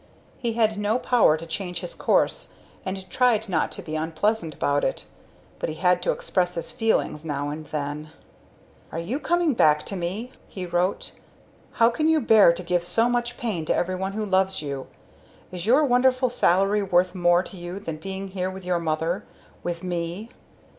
He had no power to change his course, and tried not to be unpleasant about it, but he had to express his feelings now and then. "Are you coming back to me?" he wrote. "How con you bear to give so much pain to everyone who loves you? Is your wonderful salary worth more to you than being here with your mother with me?